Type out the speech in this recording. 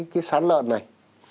cái sán lợn này